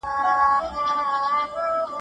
ثانیه مرزا د ټېنس نړیواله ستورې ده.